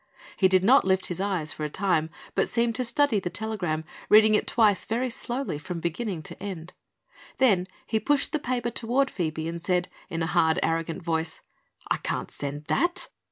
He did not lift his eyes, for a time, but seemed to study the telegram, reading it twice very slowly from beginning to end. Then he pushed the paper toward Phoebe and said in a hard, arrogant voice: "I can't send that."